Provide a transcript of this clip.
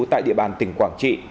tại địa bàn tỉnh quảng trị